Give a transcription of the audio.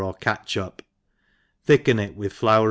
or catchup, thicken it with fiour.